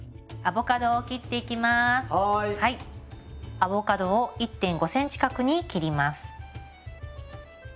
アボカドを１．５ｃｍ角に切ります。